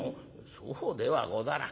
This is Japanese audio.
「そうではござらん。